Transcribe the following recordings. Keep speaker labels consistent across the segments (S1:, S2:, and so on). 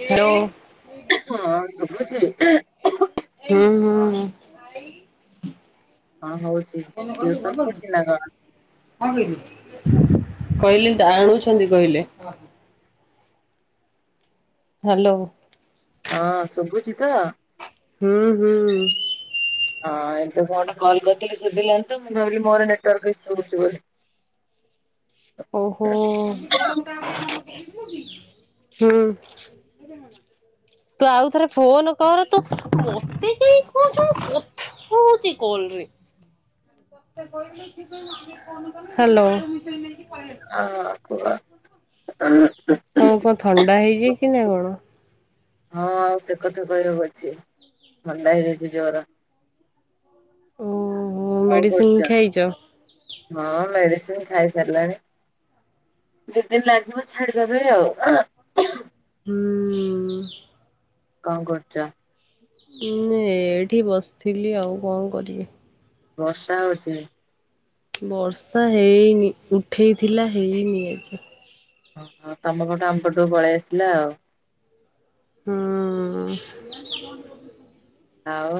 S1: Hello
S2: ହଁ ଶୁଭୁଚି?
S1: ହୁଁ- ଉଁ।
S2: କଣ ହଉଚି ଟିଉସନ୍ କରୁଚ ନା କଣ?
S1: [inaudible] ହାଲୋ।
S2: ହଁ ଶୁଭୁଚି ତ?
S1: ହୁଁ- ହୁଁ।
S2: ହଁ ଏମତି ମୁଁ ଗୋଟେ କଲ୍ କରିଥିଲି ଶୁଭିଲାନି ତ ମୁଁ ଭାବିଲି ମୋର ନେଟୱାର୍କ ଇସୁ ହଉଚି ବୋଧେ।
S1: ଓ ହୋ -ହୁଁ। ତୁ ଆଉଥରେ ଫୋନ କର ତୁ ମତେ କାଇଁ କହୁଚୁ ମୁଁ କଥା ହଉଚି କଲ୍ ରେ। ହାଲୋ।
S2: ଅଁ- କୁହ।
S1: ତମୁକୁ କଣ ଥଣ୍ଡା ହେଇଯାଇଚି ନା କଣ?
S2: ହଁ ଆଉ ସେ କଥା କହିବାକୁ ଅଛି ଥଣ୍ଡା ହେଇଯାଇଚି ଜୋର।
S1: ଓହୋ
S2: କଣ୍
S1: ମେଡିସିନ
S2: କରୁଚ?
S1: ଖାଇଛ?
S2: ଦି ଦିନ୍ ଲାଗିବ ଛାଡିବା ପାଇଁ ଆଉ।
S1: ହୁଁ।
S2: କଣ୍ କରୁଚ?
S1: ଉଁ -ଏଇଠି ବସଥିଲି ଆଉ କଣ କରିବି।
S2: ବର୍ଷା ହଉଚି?
S1: ବର୍ଷା ହେଇନି ଉଠେଇଥିଲା ହେଇନି ଆଜି।
S2: ଓ ହୋ ତମପଟୁ ଆମ ପଟୁକୁ ପଳେଇ ଆସିଲା ଆଉ।
S1: ହଁ।
S2: ଆଉ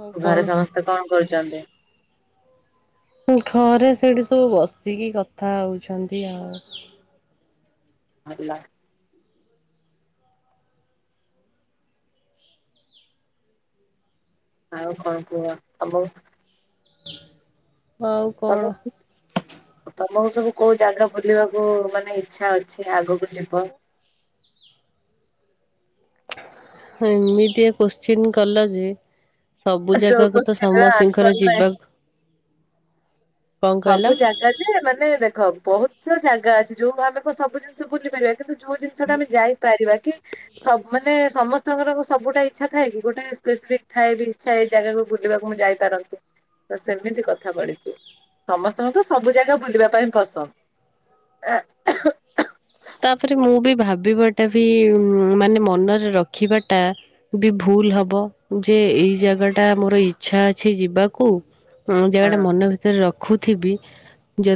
S1: ଆଉ କଣ
S2: ଘରେ ସମସ୍ତେ କଣ କରୁଛନ୍ତି?
S1: ଘରେ ସେଇଠି ସବୁ ବସିକି କଥା ହଉଛନ୍ତି ଆଉ।
S2: ଭଲ। ଆଉ କଣ କୁହ [unintelligible]
S1: ଆଉ କଣ
S2: ତମ [unintelligible] ତମକୁ ସବୁ କଉ ଜାଗା ବୁଲିବାକୁ ମାନେ ଇଛା ଅଛି ଆଗକୁ ଯିବ?
S1: ଏମିତିଆ କୋଶ୍ଚିନ୍ କଲ ଯେ ସବୁ
S2: ଯୋଉ
S1: ଜାଗାକୁ ତ
S2: କୋଶ୍ଚିନ୍ ର ଆନ୍ସର
S1: ସମସ୍ତିଙ୍କର
S2: ନାହିଁ।
S1: ଯିବା କଣ
S2: ସବୁ
S1: କହିଲ?
S2: ଜାଗା ଯେ ମାନେ ଦେଖ ବହୁତ ଜାଗା ଅଛି ଯୋଉ ଆମେ କଣ ସବୁ ଜିନିଷ ବୁଲି ପାରିବା କିନ୍ତୁ ଯୋଉ ଜିନିଷ ଟା ଆମେ ଯାଇପାରିବା କି ସ ମାନେ ସମସ୍ତଙ୍କର ସବୁଟା ଇଚ୍ଛା ଥାଏ କି ଗୋଟେ ସ୍ପେସିଫିକ୍ ଥାଏ ବି ଆଛା ଏଇ ଜାଗାକୁ ବୁଲିବାକୁ ମୁଁ ଯାଇପାରନ୍ତି ତ ସେମିତି କଥା ପଡିିଛି। ସମସ୍ତଙ୍କୁ ତ ସବୁ ଜାଗା ବୁଲିବା ପାଇଁ ପସନ୍ଦ।
S1: ତାପରେ ମୁଁ ବି ଭାବିବାଟା ବି ମାନେ ମନରେ ରଖିବାଟା। ବି ଭୁଲ ହବ ଯେ ଏଇ ଜାଗା ଟା ମୋର ଇଛା ଅଛି ଯିବାକୁ। ହଁ ଜାଗା ଟା ମନ ଭିତରେ ରଖୁଥିବି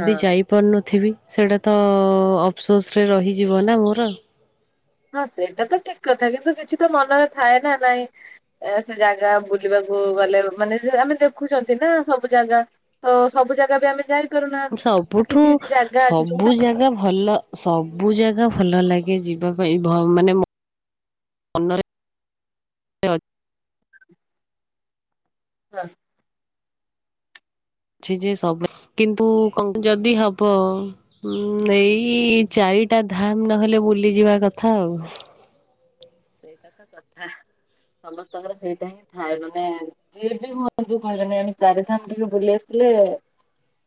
S2: ହଁ
S1: ଯାଇ ପାରୁନଥିବି ସେଇଟା ତ ଅଫସୋସରେ ରହିଯିବ ନା ମୋର।
S2: ହଁ ସେଇଟା ତ ଠିକ କଥା କିନ୍ତୁ କିଛି ତ ମନରେ ଥାଏ ନା ନାଇଁ। ଏ ସେ ଜାଗା ବୁଲିବାକୁ ଗଲେ ମାନେ ଆମେ ଦେଖୁଛନ୍ତି ନା ସବୁ ଜାଗା। ତ ସବୁ ଜାଗା ବି ଆମେ ଯାଇ
S1: ସବୁଠୁ ସବୁ
S2: ଯୋଉଟା
S1: ଜାଗା ଭଲ ସବୁ ଜାଗା ଭଲ ଲାଗେ ଯିବା ପାଇଁ ମାନେ ମନରେ
S2: ହା।
S1: ଅଛି ଯେ ସବୁ କିନ୍ତୁ ଯଦି ହବ। ଉଁ ଏଇ ଚାରିଟା ଧାମ ନହେଲେ ବୁଲିଯିବା କଥା ଆଉ।
S2: ସେଇଟା ତ କଥା ସମସ୍ତଙ୍କର ସେଇଟା ହିଁ ଥାଏ ମାନେ ଯିଏ ବି ହୁଅନା [unintelligible] ଚାରିଥାମ ଟିକେ ବୁଲି ଆସିଲେ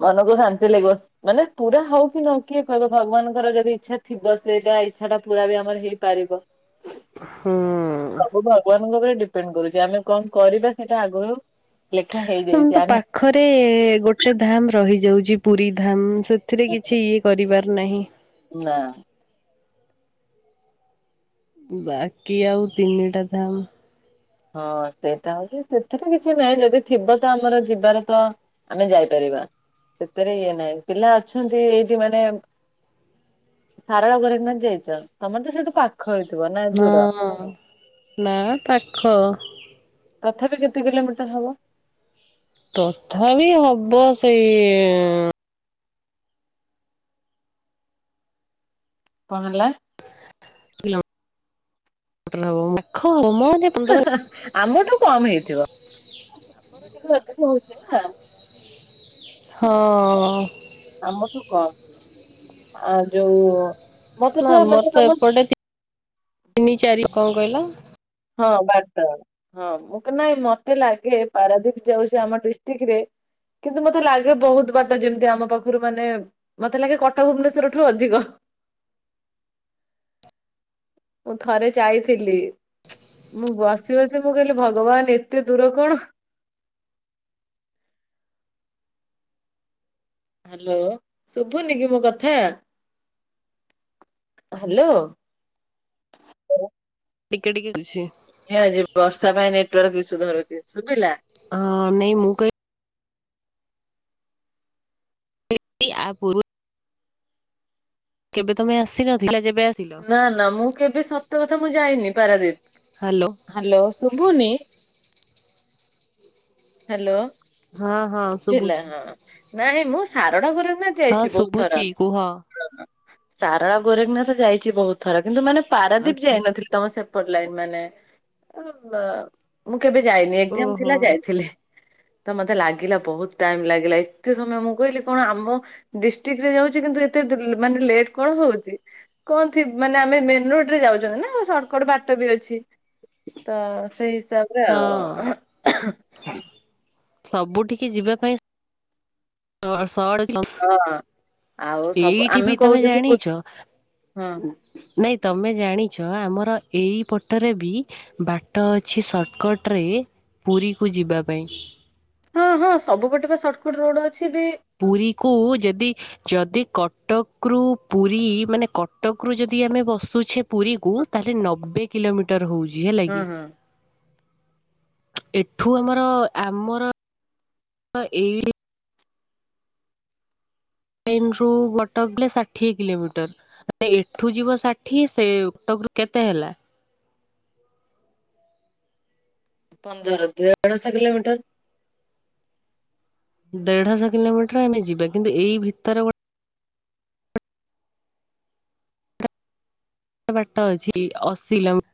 S2: ମନକୁ ଶାନ୍ତି ଲାଗିବ। ମାନେ ପୁରା ହଉ କି ନ କିଏ କହିବ ଭଗବାନଙ୍କର ଯଦି ଇଚ୍ଛା ଥିବ ସେଇଟା ଇଚ୍ଛା ଟା ପୁରା ବି ଆମର ହେଇପାରିବ।
S1: ହୁଁ।
S2: ସବୁ ଭଗବାନଙ୍କ ଉପରେ ଡିପେଣ୍ଡ କରୁଛି ଆମେ କଣ କରିବା ସେଇଟା ଆଗରୁ ଲେଖା
S1: ଆମ ତ
S2: ହେଇଯାଇଛି ଆମେ
S1: ପାଖରେ ଗୋଟେ ଧାମ ରହିଯାଉଛି ପୁରୀ ଧାମ ସେଥିରେ କିଛି ଇଏ କରିବାର ନାହିଁ।
S2: ନା।
S1: ବାକି ଆଉ ତିନିଟା ଧାମ
S2: ହଁ ସେଇଟା ହଉଚି ସେଥିରେ କିଛି ନାଇଁ ଯଦି ଥିବ ତ ଆମର ଯିବାର ତ ଆମେ ଯାଇପାରିବା ସେଥିରେ ଇଏ ନାହିଁ ପିଲା ଅଛନ୍ତି ଏଇଠି ମାନେ ସାରଳ ଗରେକନାଥ ଯାଇଛ ତମର ତ ସେଇଠୁ ପା ପାଖ ହେଇଥିବ ନା? ଦୂର
S1: ହଁ ନା ପାଖ।
S2: ତଥାପି କେତେ କିଲୋମିଟର ହବ?
S1: ତଥାପି ହବ ସେଇ
S2: କଣ ହେଲା?
S1: [unintelligible]
S2: ଆମଠୁ କମ ହେଇଥିବ ଆମର ଟିକେ ଅଧିକ ହଉଛି ନା।
S1: ହଁ।
S2: ଆମଠୁ କଣ ଆ ଯୋଉ ମତେ
S1: ନା
S2: ତ
S1: ଆମର
S2: ମାନେ
S1: ତ
S2: ତମ
S1: ଏପଟେ ତିନି ଚାରି କଣ କହିଲ?
S2: ହଁ ବାଟ। ହଁ ମୁଁ କ ନାଇଁ ମତେ ଲାଗେ ପାରାଦ୍ଵୀପ ଯାଉଚି ଆମ ଡିଷ୍ଟ୍ରିକରେ କିନ୍ତୁ ମତେ ଲାଗେ ବହୁତ୍ ବାଟ ଯେମତି ଆମ ପାଖୁରୁ ମାନେ ମତେ ଲାଗେ କଟକ ଭୁବନେଶ୍ୱରଠୁ ଅଧିକ। ମୁଁ ଥରେ ଯାଇଥିଲି। ମୁଁ ବସି ବସି ମୁଁ କହିଲି ଭଗବାନ୍ ଏତେ ଦୂର କଣ। ହାଲୋ ଶୁଭୁନିକି ମୋ କଥା? ହାଲୋ।
S1: ଟିକେ ଟିକେ ଅଛି।
S2: ହେ ଆଜି ବର୍ଷା ପାଇଁ ନେଟୱାର୍କ ଇସୁୁ ଧରୁଚି ଶୁବିଲା?
S1: ହଁ ନାଇଁ ମୁଁ କ ମୁଁ ଆ ପୂର୍ବରୁ କେବେ ତମେ ଆସିନଥିଲ ଯେବେ ଆ
S2: ନା ନା ମୁଁ କେବେ ସତ କଥା ମୁଁ ଯାଇନି ପାରାଦ୍ୱୀପ।
S1: ହାଲୋ।
S2: ହାଲୋ ଶୁଭୁନି ହାଲୋ।
S1: ହଁ ହଁ
S2: ଭିଲା
S1: ଶୁଭୁଛି
S2: ହଁ ନାଇଁ ମୁଁ ସାରଳା ଗୋରେଖନାଥ
S1: ହଁ
S2: ଯାଇଚି ବହୁତ୍ ଥର
S1: ଶୁଭୁଛି କୁହ
S2: ହଁ। ସାରଳା ଗୋରେଖନାଥ ଯାଇଚି ବହୁତ୍ ଥର କିନ୍ତୁ ମାନେ ପାରାଦ୍ଵୀପ
S1: ଆଚ୍ଛା
S2: ଯାଇନଥିଲି। ତମ ସେପଟେ ଲାଇନ୍ ମାନେ ଅଁ ମୁଁ କେବେ ଯାଇନି ଏକଜାମ୍
S1: ଓହୋ
S2: ଥିଲା ଯାଇଥିଲି। ତ ମତେ ଲାଗିଲା ବହୁତ ଟାଇମ ଲାଗିଲା ଏତେ ସମୟ ମୁଁ କହିଲି କଣ ଆମ ଡିଷ୍ଟ୍ରିକିରେ ଯାଉଚି କିନ୍ତୁ ଏତେ ଦୁ ମାନେ ଲେଟ୍ କଣ ହଉଚି। କଣ ଥି ମାନେ ଆମେ ମେନ୍ ରୋଡ଼ରେ ଯାଉଚନ୍ତିନା ସଟକଟ୍ ବାଟ ବି ଅଛି। ତ ସେଇ ହିସାବରେ
S1: ହଁ
S2: ଆଉ।
S1: ସବୁଠିକି ଯିବା ପାଇଁ ସହ
S2: ହଁ ଆଉ ସବୁ ଆମେ
S1: ତମେ
S2: କହୁଚନ୍ତି ବୁ
S1: ଜାଣିଛ
S2: ହଁ
S1: ନାଇଁ ତମେ ଜାଣିଛ ଆମର ଏଇପଟରେ ବି ବାଟ ଅଛି ସର୍ଟକଟରେ ପୁରୀକୁ ଯିବା ପାଇଁ।
S2: ହଁ ହଁ ସବୁ ପଟେବା ସର୍ଟକଟ୍ ରୋଡ଼ ଅଛିବି
S1: ପୁରୀକୁ ଯେଦି ଯଦି କଟକରୁ ପୁରୀ ମାନେ କଟକରୁ ଯଦି ଆମେ ବସୁଛେ ପୁରୀକୁ ତାହଲେ ନବେ କିଲୋମିଟର ହଉଚି
S2: ହଁ
S1: ହେଲାକି।
S2: ହଁ
S1: ଏଠୁ ଆମର ଆମର ଏଇ ଟ୍ରେନ୍ ରୁ କଟକ ଗଲେ ଷାଠିଏ କିଲୋମିଟର। ଏଠୁ ଯିବ ଷାଠିଏ ସେ କଟକରୁ କେତେ ହେଲା?
S2: ପନ୍ଦର ଦେଢଶହ କିଲୋମିଟର
S1: ଦେଢଶ କିଲୋମିଟର ଆମେ ଯିବା କିନ୍ତୁ ଏଇ ଭିତରେ ଗୋ ବାଟ ଅଛି ଅଶିଲମ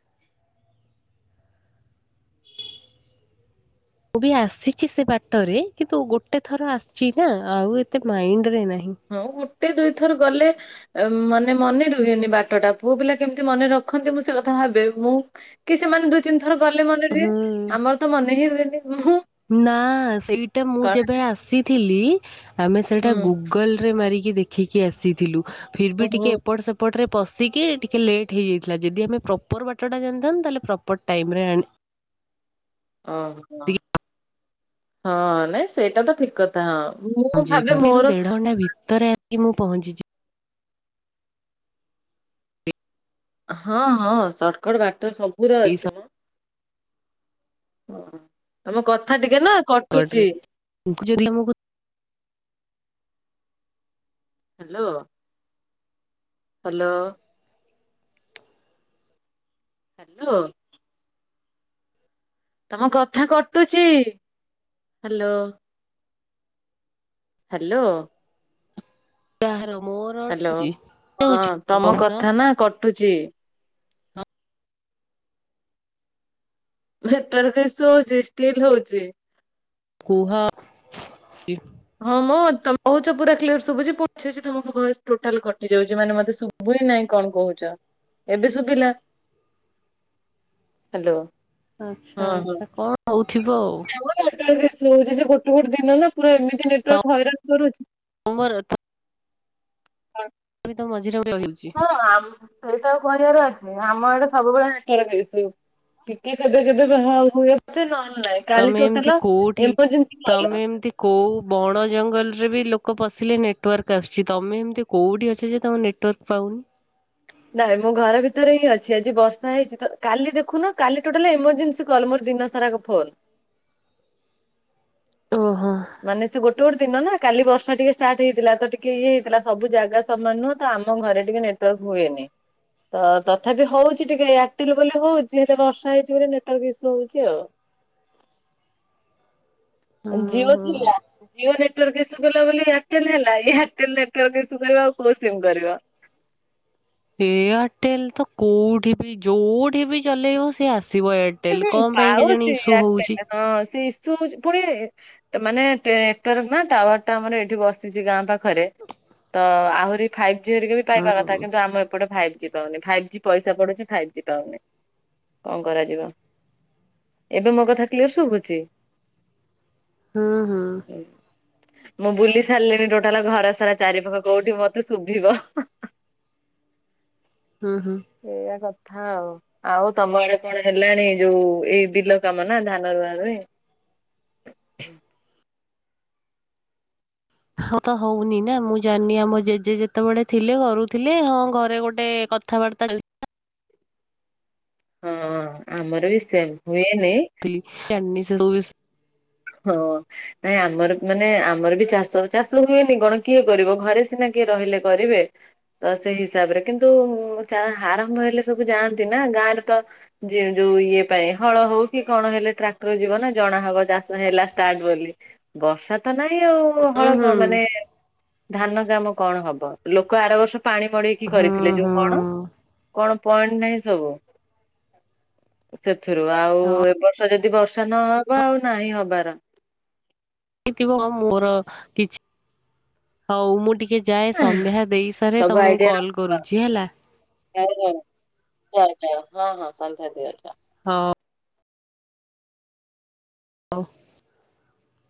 S1: ମୁଁ ବି ଆସିଚି ସେ ବାଟରେ କିନ୍ତୁ ଗୋଟେଥର ଆସିଚିନା ଆଉ ଏତେ ମାଇଣ୍ଡିରେ ନାହିଁ।
S2: ହଁ ଗୋଟେ ଦୁଇଥର ଗଲେ ମାନେ ମନେ ରୁହେନି ବାଟ ଟା ପୁଅ ପିଲା କେମତି ମନେ ରଖନ୍ତି ମୁଁ ସେଇକଥା ଭାବେ ମୁଁ କି ସେମାନେ ଦୁଇ ତିନିଥର ଗଲେ ମନେ ରୁହେ
S1: ହୁଁ
S2: ଆମରତ ମନେ ହିଁ ରୁହେନି ମୁଁ
S1: ନା ସେଇଟା ମୁଁ ଯେବେ
S2: କଣ
S1: ଆସିଥିଲି ଆମେ ସେଇଟା
S2: ହୁଁ
S1: ଗୁଗୁ ଗଲ୍ ରେ ମାରିକି ଦେଖିକି ଆସିଥିଲୁ ଫିର୍ ବି
S2: ଓହୋ
S1: ଟିକିଏ ଏପଟ ସେ ଏପଟରେ ପଶିକି ଟିକେ ଲେଟ୍ ହେଇଯାଇଥିଲା ଯଦି ଆମେ ପ୍ରପର ବାଟଟା ଜାଣିଥାନ୍ତୁ ତାହେଲେ ପ୍ରପର ଟାଇମ୍ ରେ ଆଣି
S2: ଓହୋ
S1: ଆସିକି
S2: ହଁ ନାଇଁ ସେଇଟାତ ଠିକ୍ କ ହଁ ମୁଁ ଭାବେ ମୋର
S1: ତା ଭିତରେ କି ମୁଁ ପହଞ୍ଚିଚି
S2: ହଁ ହଁ ସଟକଟ୍ ବାଟ ସବୁରେ
S1: ଏଇ
S2: ଅଛି ମ। ଓ ତମ କଥା ଟିକେ ନା କଟୁଛି
S1: କଡରେ [unintelligible] ଯି ଆମକୁ
S2: ହ୍ୟାଲୋ ହ୍ୟାଲୋ ହାଲୋ ତମ କଥା କଟୁଛି ହ୍ୟାଲୋ ହ୍ୟାଲୋ
S1: କାହାର ମୋର
S2: ହ୍ୟାଲୋ
S1: ଅଟକୁଛି
S2: ହଁ
S1: ହେଉଛି
S2: ତମ
S1: କହୁନ
S2: କଥା ନା କଟୁଛି ଭେଟର କିସ ହଉଛି ଷ୍ଟିଲ୍ ହଉଛି
S1: କୁହ [unintelligible]
S2: ହଁ ମଁ ତମ କହୁଛ ପୁରା କ୍ଲିୟର ଶୁଭୁଛି ପୁଛୁଚିତମ ଭଏସ ଟୋଟାଲ କଟି ଯାଉଛି ମାନେ ମୋତେ ଶୁ ଭୁଇ ନାଇଁ କଣ କହୁଛ ଏବେ ଶୁଭିଲା। ହ୍ୟାଲୋ
S1: ଆଚ୍ଛା ଆଚ୍ଛା କଣ ହଉଥିବ ଆଉ
S2: [unintelligible] ହଉଛି ସେଗୋଟେ ଗୋଟେ ଦିନ ନା ପୁରା ଏମିତି ନେଟାର୍କ ହଇରାଣ କରୁଛି
S1: ତମରତ ତମିତ ମଝିରେ ରହିଯାଉଛି
S2: ହଁ ଆମ ସେଇଟା ଆଉ କହିବାର ଅଛି ଆମ ଏଇଟା ସବୁବେଳେ [unintelligible] ଟିକେ କେବେ କେବେ ବାହା [unintelligible] ନହେଲେ ନାଇଁ କାଲି
S1: ତମେ
S2: ଟୋଟାଲ ଏମର୍ଜେନ୍ସି କଲ
S1: କୋଉଁ ବଣ ଜଙ୍ଗଲରେ ବି ଲୋକ ପଶିଲେ ନେଟୱାର୍କ ଆସୁଛି ତମେ ଏମିତି କୋଉଠି ଅଛ ଯେ ତମ ନେଟୱାର୍କ ପାଉନି
S2: ନାଇଁ ମୁଁ ଘର ଭିତରେ ହିଁ ଅଛି ଆଜି ବର୍ଷା ହେଇଛି ତ କାଲି ଦେଖୁନ କାଲି ଟୋଟାଲ ଏମର୍ଜେନ୍ସି କଲ୍ ମୋର ଦିନ ତାର୍ ଆଗ ଫୋନ୍
S1: ଓହୋ
S2: ମାନେ ସେ ଗୋଟ ଗୋଟେ ଦିନ ନା କାଲି ବର୍ଷା ଟିକେ ଷ୍ଟାର୍ଟ ହେଇଥିଲା ତ ଟିକେ ଇଏ ହେଇଥିଲା ସବୁ ଜାଗା ସମାନ ନୁହଁ ତ ଆମ ଘରେ ଟିକେ ନେଟୱାର୍କ ହୁଏନି ତ ତଥାପି ହଉଛି ଟିକେ ଏୟାରଟେଲ ବୋଲି ହଉଛି ହେଲେ ବର୍ଷା ହେଇଛି ବୋଲି ନେଟୱାର୍କ ଇସୁ ହଉଛି ଆଉ
S1: ହୁଁ
S2: ଜିଓ
S1: ହୁଁ।
S2: ଥିଲା ଜିଓ ନେଟୱାର୍କ ଇସୁ କଲା ବୋଲି କେଲେ ହେଲା ଏଆ ଏହାରଟେଲ ନେଟୱାର୍କ ଇସୁ କରିବାଉ କୋଉ ସିମ୍ କରିବା
S1: ଏୟାରଟେଲ ତ କୋଉଠି ବି ଯୋଉଠି ବି ଚଲେଇବ ସେ ଆସିବ ଏୟାର
S2: ଏ ହେଇ ପାଉଛି ଏୟାରଟେଲ ହଁ ସେ ପୁଣି ସେମାନେ ଟେ ନେଟୱାର୍କ ନା ଟାୱାର ଟା ଆମର ଏଇଠି ବସିଛି ଗାଁ ପାଖରେ ତ ଆହୁରି ଫାଇଭ୍ ଜି ହେରିକା ବି
S1: ହୁଁ
S2: ପାଇବା କଥା କିନ୍ତୁ ଆମ ଏପଟେ ଫାଇଭ୍ କେତେବିଳ ଫାଇଭ୍ ଜି ପଇସା ପଡୁଛି ଫାଇଭ୍ ଜି ପାଉନି କଣ କରାଯିବ ଏବେ ମୋ କଥା କ୍ଲିୟର ଶୁଘୁଛି
S1: ହୁଁ ହୁଁ
S2: ମୁଁ ବୁଲି ସାରିଲିଣି ଟୋଟାଲ ଘର ସାରା ଚାରି ପାଖ କୋଉଠି ମତେ ଶୁଭିବ
S1: ହଁ ହଁ
S2: ଏଇଆ କଥା ଆଉ ଆଉ ତମ ଆଡେ କଣ ହେଲାଣି ଯୋଉ ଏଇ ବିଲ କାମ ନା ଧାନ ରୁଆ ରୁଇ
S1: ହଁ ତ ହଉନି ନା ମୁଁ ଜାଣିନି ଆମ ଜେଜେ ଯେତେବେଳେ ଥିଲେ କରୁଥିଲେ ହଁ ଘରେ ଗୋଟେ କ ଥାବାର୍ତ୍ତା ହେଇ
S2: ହଁ ଆମର ବି ସେମ ହୁଏନି
S1: [unintelligible]
S2: ହଁ ନାଇଁ ଆମର ମାନେ ଆମର ବି ଚାଷ ଚାଷ ହୁଏନି କଣ କିଏ କରିବ ଘରେ ସିନା କିଏ ରହିଲେ କରିବେ ତ ସେଇ ହିସାବରେ କିନ୍ତୁ ଉ କା ହାରମ୍ଭ ହେଲେ ସବୁ ଯାଆନ୍ତି ନା ଗାଁ ରେ ତ ଯେ ଯୋଉ ଇଏ ପାଇଁ ହଳ ହଉ କି କଣ ହେଲେ ଟ୍ରାକ୍ଟର ଯିବ ନା ଜଣା ହବ ଚାଶ୍ ହେଲା ଷ୍ଟାର୍ଟ ବୋଲି ବର୍ଷା ତ ନାଇଁ ଆଉ
S1: ହୁଁ
S2: ହଳ
S1: ହୁଁ
S2: କଣ ମାନେ ଧାନ କାମ କଣ ହବ ଲୋକ ଆର ବର୍ଷ ପାଣି ମଡେଇକି
S1: ହୁଁ
S2: କରିଥିଲେ
S1: ହୁଁ
S2: ଯୋଉ କଣ କଣ ପଏଣ୍ଟ ନାହିଁ ସବୁ ସେଥିରୁ ଆଉ
S1: ହଁ
S2: ଏ ବର୍ଷ ଯଦି ବର୍ଷା ନହବ ଆଉ ନାହିଁ ହବାର
S1: ଥିବ ମୋର କିଛି ହଉ ମୁଁ ଟିକେ ଯାଏ ସନ୍ଧ୍ୟା ଦେଇ ସାରେ
S2: ସବୁ
S1: ତ ମୁଁ କଲ୍ କରୁଛି ହେଲା
S2: ହଉ ହଉ ଯାଅ ଯାଅ ହଁ ହଁ ସନ୍ଧ୍ୟା ଦବ ଯାଅ।
S1: ହଁ ହଉ